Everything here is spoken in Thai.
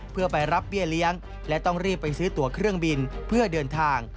เพื่อไปรับเบี้ยเลี้ยงและต้องรีบไปซื้อตัวเครื่องบินเพื่อเดินทาง